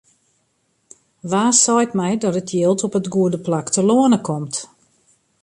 Wa seit my dat it jild op it goede plak telâne komt?